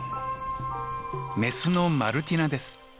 メスのマルティナです。